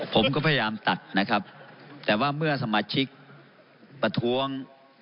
ผมก็พยายามตัดนะครับแต่ว่าเมื่อสมาชิกประท้วง